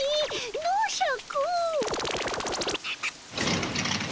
のうシャク。